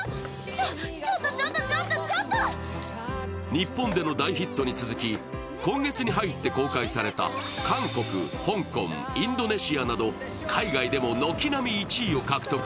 日本での大ヒットに続き今月に入って公開された韓国、香港、インドネシアなど海外でも軒並み１位を獲得。